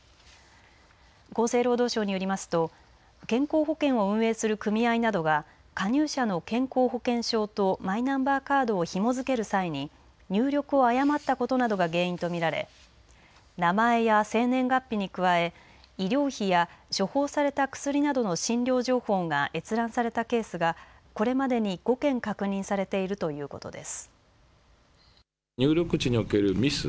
厚生労働省によりますと健康保険を運営する組合などが加入者の健康保険証とマイナンバーカードをひも付ける際に入力を誤ったことなどが原因と見られ名前や生年月日に加え医療費や処方された薬などの診療情報が閲覧されたケースがこれまでに５件確認されているということです。